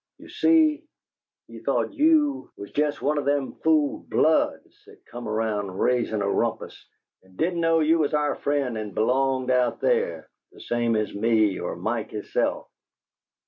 You see, he thought you was jest one of them fool 'Bloods' that come around raisin' a rumpus, and didn't know you was our friend and belonged out there, the same as me or Mike hisself.